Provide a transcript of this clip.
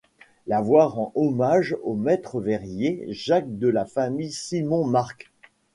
La voie rend hommage au maître verrier Jacques de la famille Simon-Marq.